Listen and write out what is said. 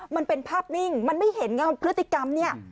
มันเป็นภาพนิ่งมันไม่เห็นไงว่าพฤติกรรมเนี่ย